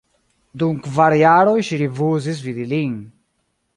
Dum kvar jaroj ŝi rifuzis vidi lin.